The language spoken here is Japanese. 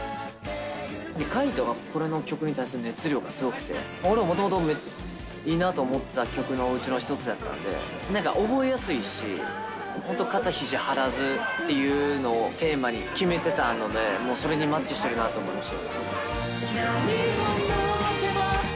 海人が、これの曲に対する熱量がすごくて、俺ももともといいなと思ってた曲のうちの一つだったんで、なんか覚えやすいし、本当肩ひじ張らずっていうのをテーマに決めてたので、もうそれにマッチしているなと思いました。